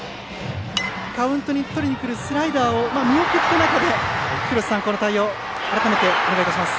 カウントにとりにくるスライダーを見送った中でこの対応、改めてお願いします。